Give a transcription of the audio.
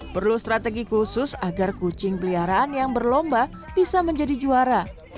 perlu strategi khusus agar kucing peliharaan yang berlomba bisa menjadi juara